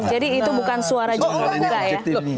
jadi itu bukan suara jumlahnya ya